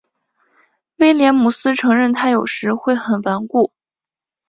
威廉姆斯承认他有时会很顽固。